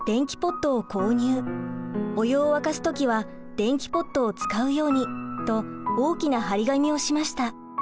「お湯を沸かす時は電気ポットを使うように」と大きな張り紙をしました。